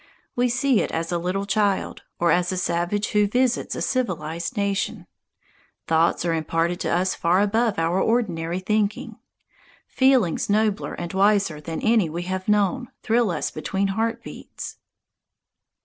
We see it as a little child, or as a savage who visits a civilized nation. Thoughts are imparted to us far above our ordinary thinking. Feelings nobler and wiser than any we have known thrill us between heart beats.